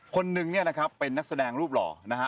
คนนึงเนี่ยนะครับเป็นนักแสดงรูปหล่อนะฮะ